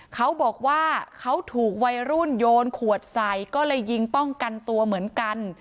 เขาบอกว่าเขาถูกวัยรุ่นโยนขวดใส่ก็เลยยิงป้องกันตัวเหมือนกัน